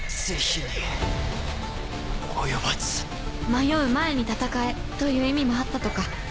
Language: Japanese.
迷う前に戦えという意味もあったとか